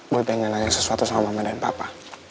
gue pengen nanya sesuatu sama mama dan papa